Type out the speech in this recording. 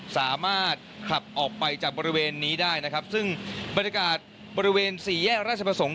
สามารถขับออกไปจากบริเวณนี้ได้ซึ่งบริการบริเวณ๔แย่ราชประสงค์